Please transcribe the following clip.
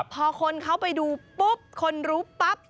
พอคนเขาไปดูปุ๊บคนรู้ปั๊บ